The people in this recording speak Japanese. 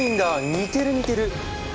似てる似てる！